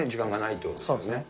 そうですね。